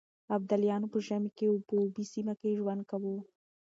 ابدالیانو په ژمي کې په اوبې سيمه کې ژوند کاوه.